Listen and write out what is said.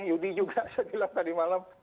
yudi juga saya bilang tadi malam